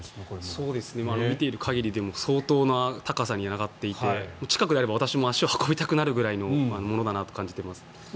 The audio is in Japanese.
見ている限りでも相当な高さに上がっていて近くであれば私も足を運びたくなるぐらいのものだなと感じています。